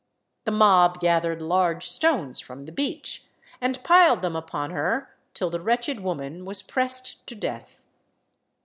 The mob gathered large stones from the beach and piled them upon her till the wretched woman was pressed to death.